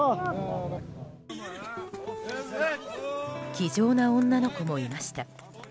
気丈な女の子もいました。